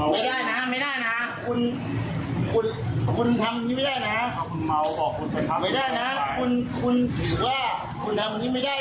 มันสมบัติส่วนตัวผมบ้าง